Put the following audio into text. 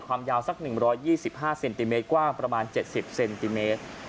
ความยาวสัก๑๒๕เซนติเมตรกว้างประมาณ๗๐เซนติเมตร